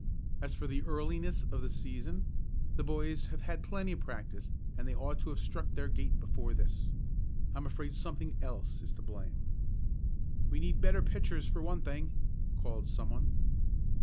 As for the earliness of the season, the boys have had plenty of practice and they ought to have struck their gait before this. I'm afraid something else is to blame." "We need better pitchers for one thing!" called someone.